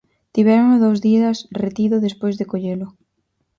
Tivérono dous días retido despois de collelo.